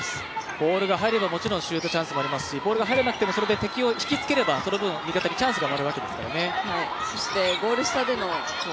ボールが入ればもちろんシュートチャンスもありますしボールが入らなくてもそれで敵を引きつければその分、味方にチャンスが生まれるわけですからね。